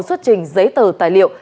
xuất trình giấy tờ tài liệu